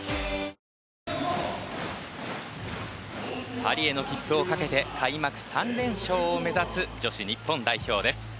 パリへの切符をかけて開幕３連勝を目指す女子日本代表です。